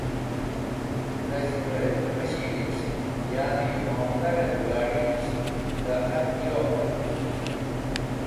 Nez̃hũmũretk mashinisht, ya’ni mot̃ar et gad̃iysith dẽ hardiyor vitk.